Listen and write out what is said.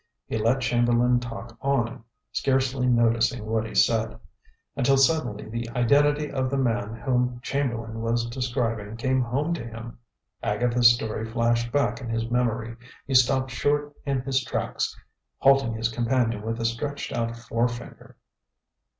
He let Chamberlain talk on, scarcely noticing what he said, until suddenly the identity of the man whom Chamberlain was describing came home to him. Agatha's story flashed back in his memory. He stopped short in his tracks, halting his companion with a stretched out forefinger.